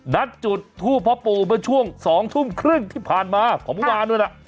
นัดจุดทูบพ่อปูเมื่อช่วง๒ทุ่มครึ่งที่ผ่านมาของปุ๊บาด้วยนะ